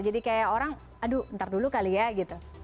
jadi kayak orang aduh ntar dulu kali ya gitu